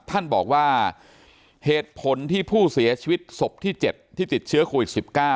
ท่านบอกว่าเหตุผลที่ผู้เสียชีวิตศพที่๗ที่ติดเชื้อโควิด๑๙